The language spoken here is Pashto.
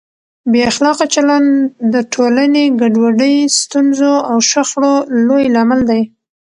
بې اخلاقه چلند د ټولنې ګډوډۍ، ستونزو او شخړو لوی لامل دی.